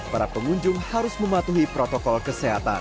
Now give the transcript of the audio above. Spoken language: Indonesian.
para pengunjung harus mematuhi protokol kesehatan